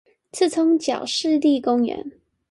莿蔥腳濕地公園